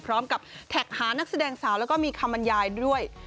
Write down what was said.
พร้อมกับแท็กหานักแสดงสาวแล้วก็มีคำบรรยายด้วย